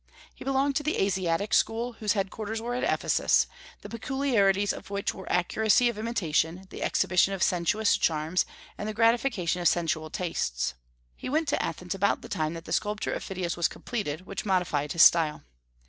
He belonged to the Asiatic school, whose headquarters were at Ephesus, the peculiarities of which were accuracy of imitation, the exhibition of sensuous charms, and the gratification of sensual tastes. He went to Athens about the time that the sculpture of Phidias was completed, which modified his style.